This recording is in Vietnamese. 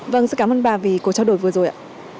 vâng xin cảm ơn bà vì cuộc trao đổi vừa rồi ạ